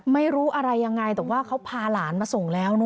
ไม่รู้อะไรยังไงแต่ว่าเขาพาหลานมาส่งแล้ว